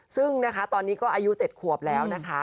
ซึ่งนะคะตอนนี้ก็อายุ๗ขวบแล้วนะคะ